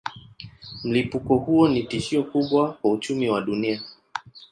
Mlipuko huo ni tishio kubwa kwa uchumi wa dunia.